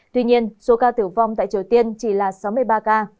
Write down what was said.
tuy nhiên số ca tử vong tại triều tiên chỉ là sáu mươi ba ca